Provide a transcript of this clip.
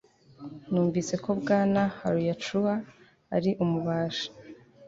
Numvise ko Bwana Huayllacahua ari umubaji